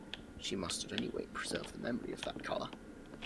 She must at any rate preserve the memory of that colour.